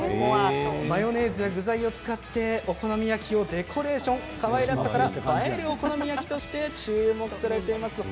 マヨネーズや具材を使ってお好み焼きをデコレーションかわいらしさ、映えるお好み焼きとして注目されています。